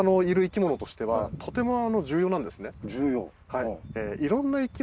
はい。